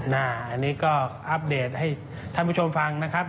อันนี้ก็อัปเดตให้ท่านผู้ชมฟังนะครับ